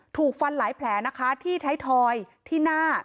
ถูกฟันหลายแผลนะคะที่ไทยทอยที่หน้า